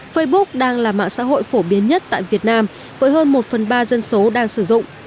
facebook đang là mạng xã hội phổ biến nhất tại việt nam với hơn một phần ba dân số đang sử dụng